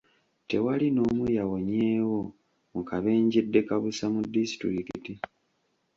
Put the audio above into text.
Tewali n'omu yawonyeewo mu kabenje ddekabusa mu disitulikiti.